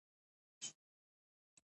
افغانستان د لعل له امله شهرت لري.